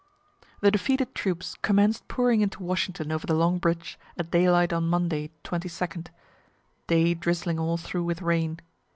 The defeated troops commenced pouring into Washington over the Long Bridge at daylight on Monday, 22d day drizzling all through with rain.